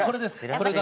これが。